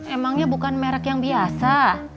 emangnya bukan merek yang biasa